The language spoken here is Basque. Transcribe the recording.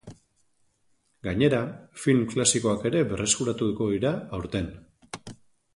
Gainera, film klasikoak ere berreskuratuko dira aurten.